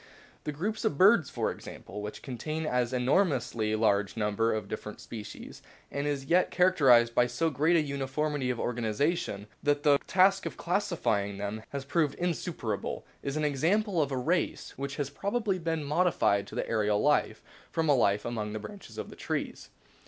The group of birds, for example, which contains an enormously large number of different species, and is yet characterised by so great a uniformity of organisation that the task of classify ing them has proved insuperable, is an example of a race which has probably been modified to the aerial life from a life among the branches of trees.